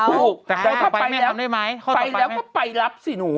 แต่เขาต่อไปแล้วไว้ไม่ทำได้ไหมไปแล้วก็ไปรับสิหนู